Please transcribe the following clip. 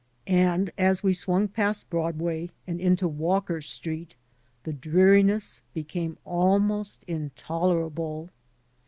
And as we swung past Broadway and into Walker Street, the dreariness became almost intolerable.